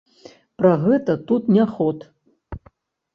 Пра гэта тут не ход!